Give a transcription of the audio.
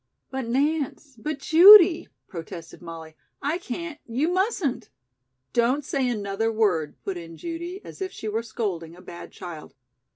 "But Nance, but Judy!" protested Molly. "I can't you mustn't " "Don't say another word," put in Judy as if she were scolding a bad child.